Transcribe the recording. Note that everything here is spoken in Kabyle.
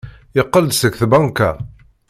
Yeqqel-d seg tbanka.